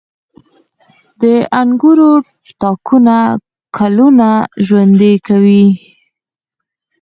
• د انګورو تاکونه کلونه ژوند کوي.